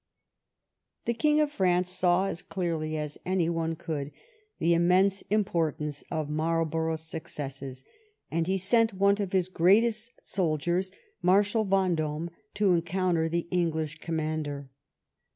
The King of France saw as dearly as any one could the immense importance of Marlborough's suc cesses, and he sent one of his greatest soldiers, Marshal Vendome, to encounter the English commander.